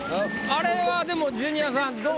あれはでもジュニアさんどうなの？